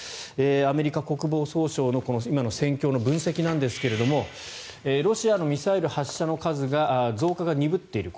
アメリカ国防総省の今の戦況の分析なんですがロシアのミサイル発射の数が増加が鈍っている。